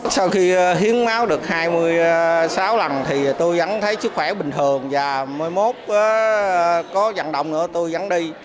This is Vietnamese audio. sau khi hiến máu được hai mươi sáu lần thì tôi vẫn thấy sức khỏe bình thường và mỗi mốt có vận động nữa tôi vẫn đi